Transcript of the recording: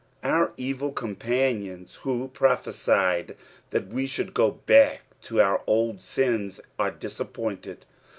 Our evil companions, who prophesied that we should go back to our oldains, are disappointed.